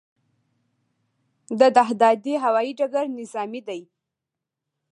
د دهدادي هوايي ډګر نظامي دی